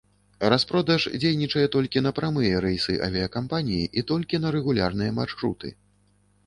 Распродаж дзейнічае толькі на прамыя рэйсы авіякампаніі і толькі на рэгулярныя маршруты.